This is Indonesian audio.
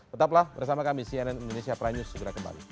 tetaplah bersama kami cnn indonesia prime news segera kembali